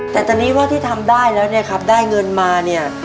แต่ตอนนี้ว่าที่ทำได้แล้วเนี่ยครับได้เงินมาเนี่ย